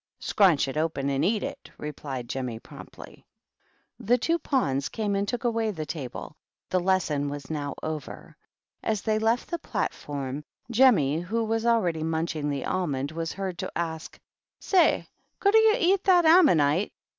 " Scraunch it open and eat it," replied Jemmy promptly. The two pawns came and took away the table the lesson was now over. As they left the platforr Jemmy, who was already munching the almond, wa heard to ask, " Say, could yer eat that ammonite